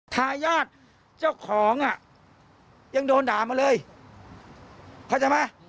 ทายาทเจ้าของอ่ะยังโดนด่ามาเลยเข้าใจไหม